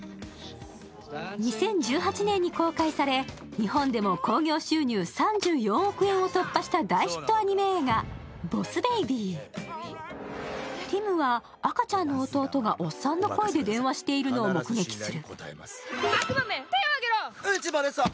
２０１８年に公開され日本でも興行収入３５億円を突破した大ヒットアニメ映画「ボス・ベイビー」ティムは赤ちゃんの弟がおっさんの声で電話しているのを目撃する。